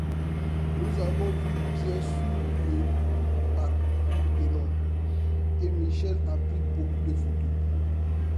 Nous avons vu bien sûr le Parthénon et Michel a pris beaucoup de photos.